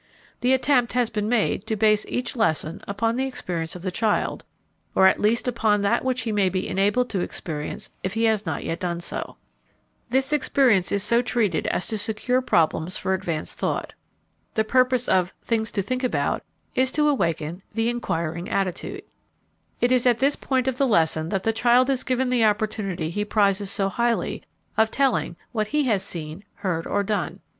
The attempt has been made to base each lesson upon the experience of the child or at least upon that which he may be enabled to experience if he has not yet done so. This experience is so treated as to secure problems for advance thought. The purpose of "Things to Think About" is to awaken the inquiring attitude. It is at this point of the lesson that the child is given the opportunity he prizes so highly of telling what he has seen, heard, or done.